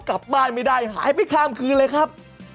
กลับบ้านไม่ได้หายไปข้ามคืนเลยครับ